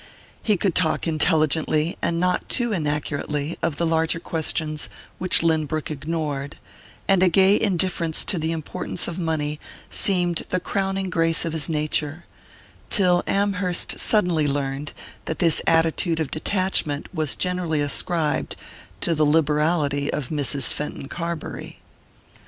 He could talk intelligently and not too inaccurately of the larger questions which Lynbrook ignored, and a gay indifference to the importance of money seemed the crowning grace of his nature, till Amherst suddenly learned that this attitude of detachment was generally ascribed to the liberality of Mrs. Fenton Carbury.